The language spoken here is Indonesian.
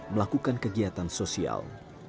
melakukan kegiatan sosial